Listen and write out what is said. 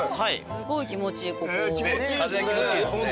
すごい気持ちいい。